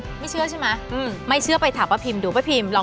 สวยแซ่บเวอร์บายป้าพิม